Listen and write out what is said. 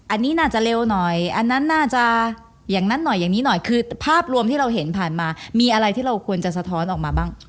อันนี้น่าจะเร็วหน่อยอันนั้นน่าจะอย่างนั้นหน่อยอย่างนี้หน่อยคือภาพรวมที่เราเห็นผ่านมามีอะไรที่เราควรจะสะท้อนออกมาบ้าง